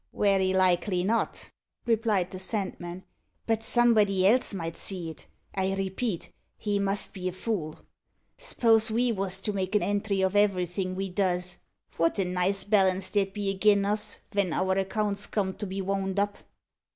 "Werry likely not," replied the Sandman; "but somebody else might see it. I repeat, he must be a fool. S'pose we wos to make a entry of everythin' we does. Wot a nice balance there'd be agin us ven our accounts comed to be wound up!"